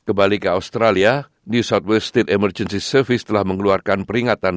kembali ke australia new south west state emergency service telah mengeluarkan peringatan